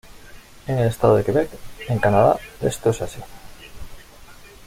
En el estado de Quebec, en Canadá, esto es así.